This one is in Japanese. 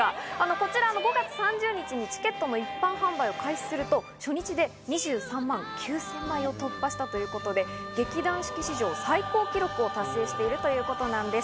こちら５月３０日にチケットも一般販売を開始すると初日で２３万９０００枚を突破したということで、劇団四季史上、最高記録を達成しているということなんです。